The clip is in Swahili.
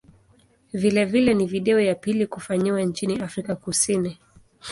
Vilevile ni video ya pili kufanyiwa nchini Afrika Kusini.